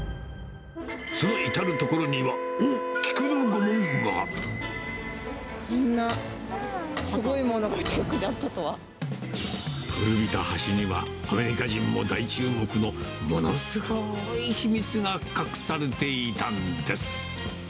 その至る所には、おっ、そんなすごいものが近くにあ古びた橋には、アメリカ人も大注目のものすごーい秘密が隠されていたんです。